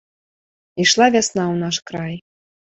Ішла вясна ў наш край.